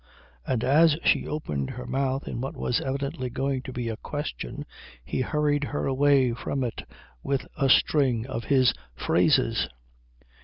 And as she opened her mouth in what was evidently going to be a question he hurried her away from it with a string of his phrases.